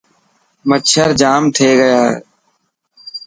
مڇر جام ٿي گيا هي.